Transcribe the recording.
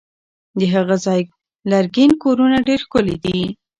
د هغه ځای لرګین کورونه ډېر ښکلي دي.